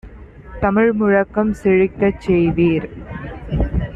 தமிழ் முழக்கம் செழிக்கச் செய்வீர்!